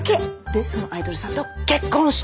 でそのアイドルさんと結婚した？